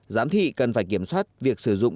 giám thị cần phải kiểm soát việc sử dụng